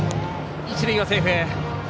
一塁はセーフ。